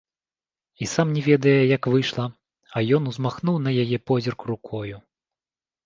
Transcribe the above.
І сам не ведае, як выйшла, а ён узмахнуў на яе позірк рукою.